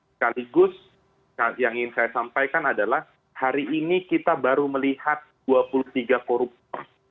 sekaligus yang ingin saya sampaikan adalah hari ini kita baru melihat dua puluh tiga koruptor